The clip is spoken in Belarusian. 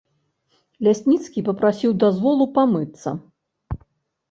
Лясніцкі папрасіў дазволу памыцца.